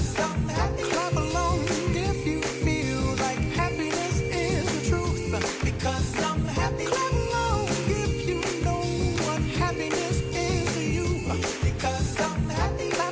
เชิญเลยครับ